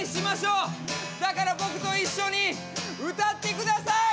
だから僕と一緒に歌ってください！